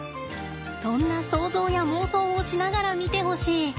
そんな想像や妄想をしながら見てほしい。